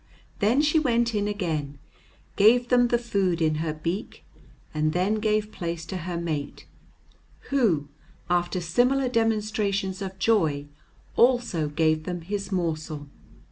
Then she went in again, gave them the food in her beak, and then gave place to her mate, who, after similar demonstrations of joy, also gave them his morsel.